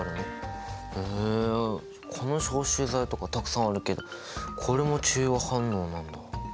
この消臭剤とかたくさんあるけどこれも中和反応なんだ。